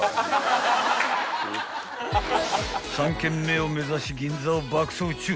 ［３軒目を目指し銀座を爆走中］